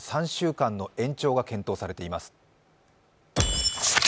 ３週間の延長が検討されています。